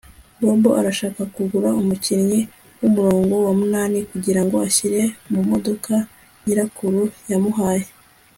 Bobo arashaka kugura umukinnyi wumurongo wa munani kugirango ashyire mumodoka nyirakuru yamuhaye